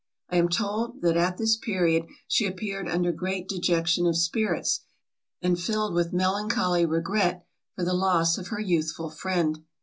I am told that at this period she appeared under great dejection of spirits, and filled with melancholy regret for the loss of her youthful friend.